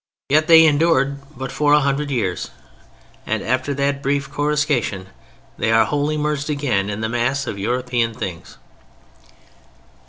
Yet they endured for but a hundred years, and after that brief coruscation they are wholly merged again in the mass of European things!